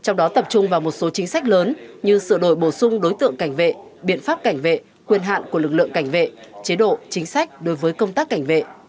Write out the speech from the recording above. một số chính sách lớn như sửa đổi bổ sung đối tượng cảnh vệ biện pháp cảnh vệ quyền hạn của lực lượng cảnh vệ chế độ chính sách đối với công tác cảnh vệ